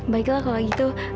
baiklah kalau gitu